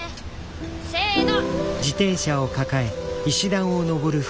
せの。